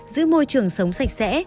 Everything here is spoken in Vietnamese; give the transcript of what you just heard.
giữ môi trường sống sạch sẽ